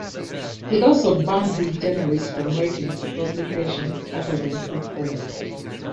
He also banned his journalists from writing for publications other than his own.